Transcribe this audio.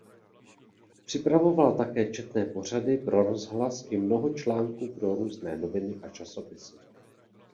Připravoval také četné pořady pro rozhlas i mnoho článků pro různé noviny a časopisy.